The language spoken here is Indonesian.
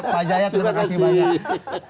pak jaya terima kasih banyak